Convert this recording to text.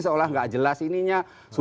seolah olah tidak jelas ininya